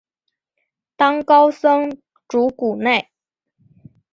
当高僧祖古内。